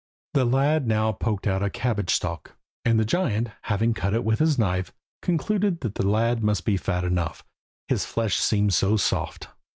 The lad now poked out a cabbage stalk, and the giant, having cut it with his knife, concluded that the lad must be fat enough, his flesh seemed so soft.